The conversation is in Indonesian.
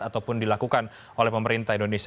ataupun dilakukan oleh pemerintah indonesia